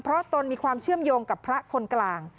เพราะตนมีความเชื่อมโยงกับพระคนกลาง